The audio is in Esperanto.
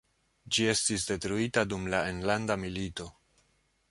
Ĝi estis detruita dum la Enlanda Milito.